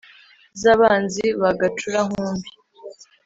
z’abanzi ba gacura-nkumbi,